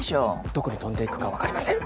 どこに飛んでいくかわかりません。